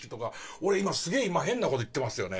俺すげえ変な事言ってますよね